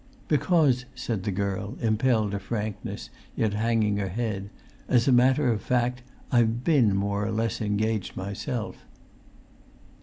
"Because," said the girl, impelled to frankness, yet hanging her head, "as a matter of fact, I've been more or less engaged myself."